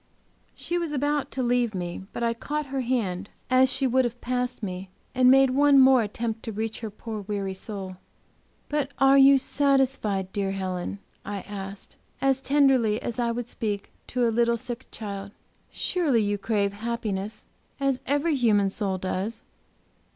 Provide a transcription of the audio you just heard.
She was about to leave me, but I caught her hand as she would have passed me, and made one more attempt to reach her poor, weary soul. "But are you satisfied, dear Helen?" I asked, as tenderly as I would speak to a little sick child. "Surely you crave happiness, as every human soul does!"